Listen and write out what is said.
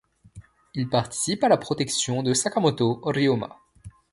Il participe à la protection de Sakamoto Ryōma.